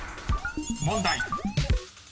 ［問題］